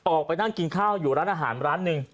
ออกไปนั่งกินข้าวอยู่ร้านอาหารร้านหนึ่ง